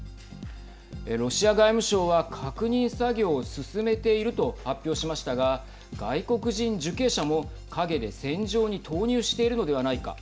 ロシア外務省は確認作業を進めていると発表しましたが外国人受刑者も陰で戦場に投入しているのではないか。